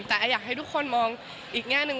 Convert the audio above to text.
แต่อยากให้ทุกคนมองอีกแง่หนึ่ง